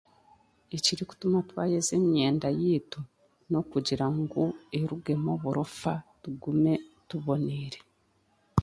Ekirikutuma twayoza emyenda yaitu n'okugira harugemu oburofa tugume tubonaire